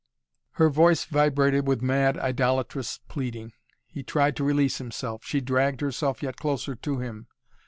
Her voice vibrated with mad idolatrous pleading. He tried to release himself. She dragged herself yet closer to him.